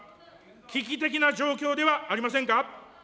危機的な状況ではありませんか。